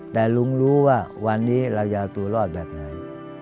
แต่ลุงรู้ว่าวันนี้เราจะเอาตัวรอดแบบไหน